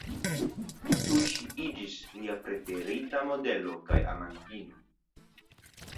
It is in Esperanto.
Tuj ŝi iĝis lia preferita modelo kaj amantino.